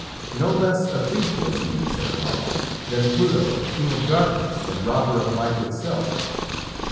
"No less a thief was he," said Apollo, "than Pluto, King of Darkness and robber of Life itself.